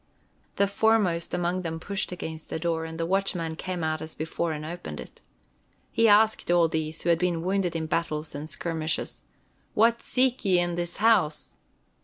The foremost among them pushed against the door, and the watchman came out as before, and opened it. He asked all these, who had been wounded in battles and skirmishes: "What seek ye in this house?"